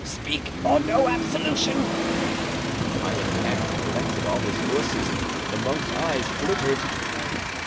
Speak, or no absolution!" The dying man collected all his forces. The monk's eyes glittered.